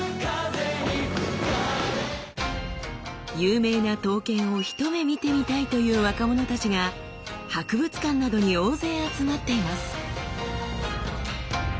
有名な刀剣を一目見てみたいという若者たちが博物館などに大勢集まっています。